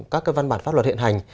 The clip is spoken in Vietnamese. các cái văn bản pháp luật hiện hành